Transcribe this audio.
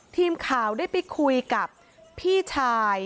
ทีมข่าวได้ไปคุยกับพี่ชาย